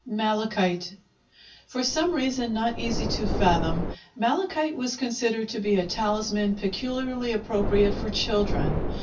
Malachite For some reason not easy to fathom, malachite was considered to be a talisman peculiarly appropriate for children.